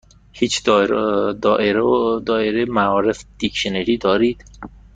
هیچ دائره المعارف دیکشنری دارید؟